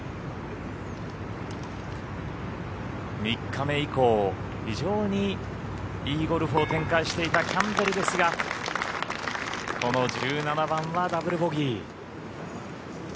３日目以降、非常にいいゴルフを展開していたキャンベルですが、この１７番はダブルボギー。